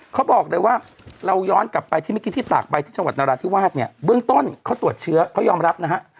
เขาบอกเลยว่าเราย้อนกลับไปที่เมื่อกี้ที่ตากใบที่จังหวัดนราธิวาสเนี่ยเบื้องต้นเขาตรวจเชื้อเขายอมรับนะฮะ